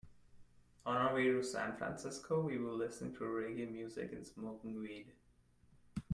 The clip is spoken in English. On our way to San Francisco, we were listening to reggae music and smoking weed.